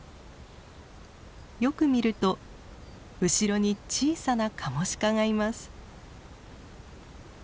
よく見ると後ろに小さなカモシカがいます。